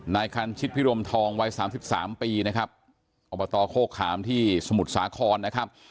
นายคันชิดพิโรมทองวัย๓๓ปีนะครับอบตโฆขามที่สมุทรสาครนะครับ